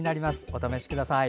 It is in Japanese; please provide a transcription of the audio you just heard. お試しください。